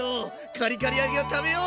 カリカリ揚げを食べよう！